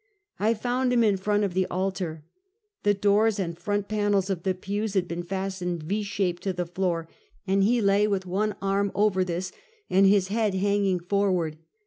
I found him in front of the altar. The doors and front panels of the pews had been fastened V shape to the fioor, and he lay with one arm over this, and his head hanging forward.